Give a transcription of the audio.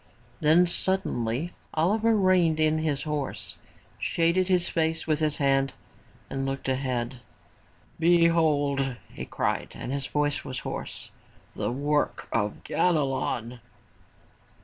Then suddenly Oliver reined in his horse, shaded his face with his hand and looked ahead. " Behold !'' he cried and his voice was hoarse, " the work of Ganelon.